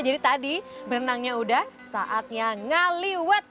jadi tadi berenangnya udah saatnya ngaliwet